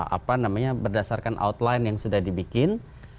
apa namanya berdasarkan outline yang sudah dibikin